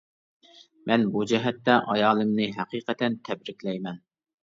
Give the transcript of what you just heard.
مەن بۇ جەھەتتە ئايالىمنى ھەقىقەتەن تەبرىكلەيمەن.